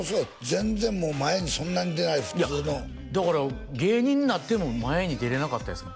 全然前にそんなに出ない普通のだから芸人になっても前に出れなかったです